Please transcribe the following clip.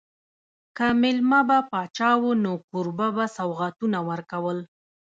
که مېلمه به پاچا و نو کوربه به سوغاتونه ورکول.